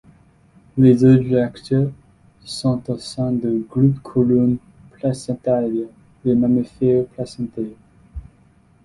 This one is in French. Les ordres actuels sont au sein du groupe-couronne Placentalia, les mammifères placentaires.